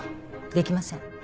できません。